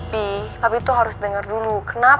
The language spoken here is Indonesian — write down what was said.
pi papi tuh harus denger dulu